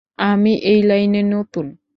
আমি এই লাইনে নতুন।